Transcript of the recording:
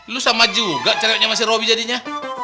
lu sama juga ceriapnya sama si robi jadinya